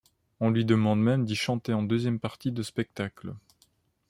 On lui demande même d'y chanter en deuxième partie de spectacle.